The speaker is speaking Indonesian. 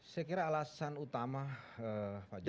saya kira alasan utama pak jokowi